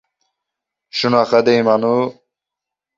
Shunaqa deyman-u...